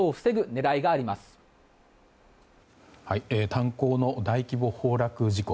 炭鉱の大規模崩落事故。